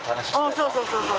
そうそうそうそう。